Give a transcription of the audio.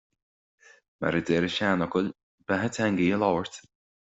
Mar a deir an seanfhocal "Beatha Teanga í a Labhairt".